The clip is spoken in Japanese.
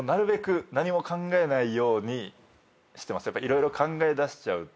色々考えだしちゃうと。